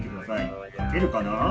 かけるかな？